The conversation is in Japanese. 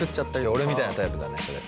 俺みたいなタイプだねそれ。